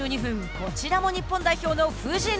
こちらも日本代表の藤野。